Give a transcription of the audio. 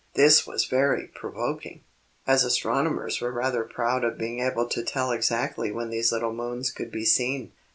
This was very provoking, as astronomers were rather proud of being able to tell exactly when these little moons could be seen.